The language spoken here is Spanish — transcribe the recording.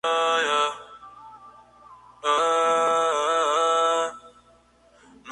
El vídeo musical fue dirigido por Steve Barron.